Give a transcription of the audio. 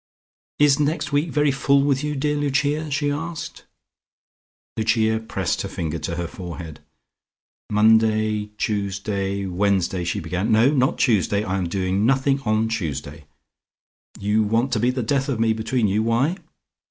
"Is next week very full with you, dear Lucia?" she asked. Lucia pressed her finger to her forehead. "Monday, Tuesday, Wednesday," she began. "No, not Tuesday, I am doing nothing on Tuesday. You want to be the death of me between you. Why?"